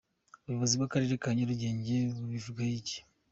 Ubuyobozi bw’Akarere ka Nyarugenge bubivugaho iki?.